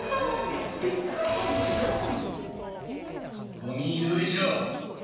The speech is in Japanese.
五味勇一郎！